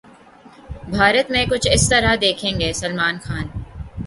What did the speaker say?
بھارت 'میں کچھ اس طرح دکھیں گے سلمان خان'